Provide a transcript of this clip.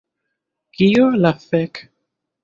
Kio la fek'